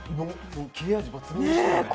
切れ味抜群でしたよね